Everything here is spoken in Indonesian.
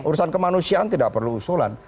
urusan kemanusiaan tidak perlu usulan